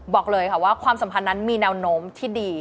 บอกเลยค่ะว่าความสัมพันธ์นั้นมีแนวโน้มที่ดี